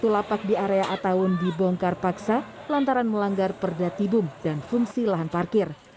enam puluh satu lapak di area attawun dibongkar paksa lantaran melanggar perdatibung dan fungsi lahan parkir